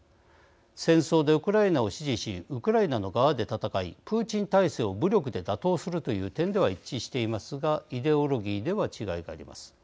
戦争でウクライナを支持しウクライナの側で戦いプーチン体制を武力で打倒するという点では一致していますがイデオロギーでは違いがあります。